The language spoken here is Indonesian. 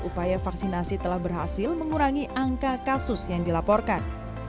upaya vaksinasi telah berhasil mengurangi angka kasus yang dilaporkan